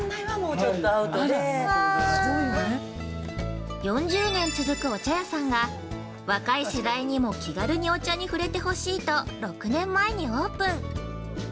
◆４０年続くお茶屋さんが若い子にも気軽にお茶に触れて欲しいと６年前にオープン。